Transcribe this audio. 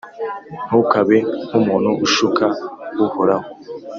ntukabe nk’umuntu ushuka Uhoraho.